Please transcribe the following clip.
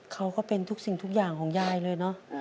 เขาก็เป็นทุกสิ่งทุกอย่างของยายเลยเนอะ